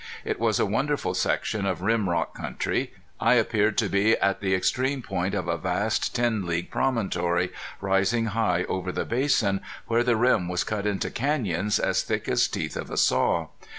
It was a wonderful section of rim rock country. I appeared to be at the extreme point of a vast ten league promontory, rising high over the basin, where the rim was cut into canyons as thick as teeth of a saw.